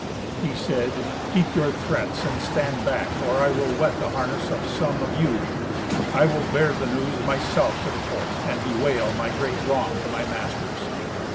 He said, "Keep your threats, and stand back, or I will wet the harness of some of you. I will bear the news myself to the court, and bewail my great wrong to my masters."